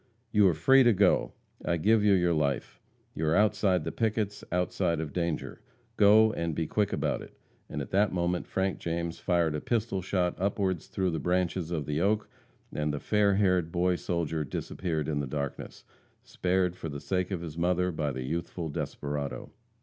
"You are free to go! I give you your life. You are outside of the pickets, outside of danger. Go, and be quick about it!" And at that moment Frank James fired a pistol shot upward through the branches of the oak, and the fair haired boy soldier disappeared in the darkness spared for the sake of his mother by the youthful desperado.